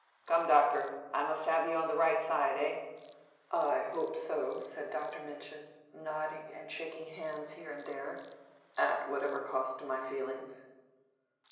"Come, Doctor, I must have you on the right side, eh?" "I hope so," said Dr. Minchin, nodding and shaking hands here and there; "at whatever cost to my feelings."